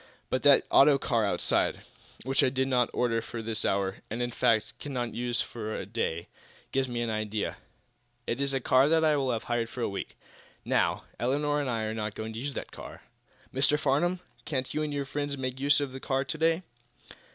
But that auto car outside, which I did not order for this hour, and, in fact, cannot use for to day, gives me an idea. It is a car that I have hired for a week. Now, Elinor and I are not going to use the car. Mr. Farnum, can't you and your friends make use of the car to day?"